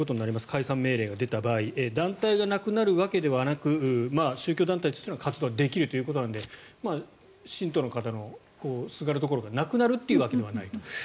解散命令が出た場合団体がなくなるわけではなく宗教団体としての活動はできるということなので信徒の方もすがるところがなくなるというわけではない。